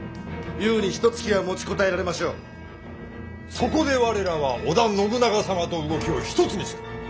そこで我らは織田信長様と動きを一つにする！